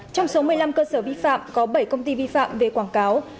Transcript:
trong số một mươi năm cơ sở vi phạm có bảy công ty vi phạm về quảng cáo